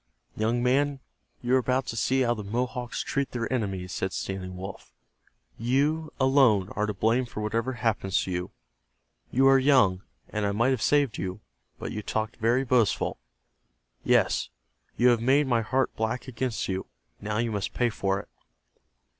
"Young man, you are about to see how the Mohawks treat their enemies," said Standing Wolf. "You, alone, are to blame for whatever happens to you. You are young, and I might have saved you. But you talked very boastful. Yes, you have made my heart black against you. Now you must pay for it."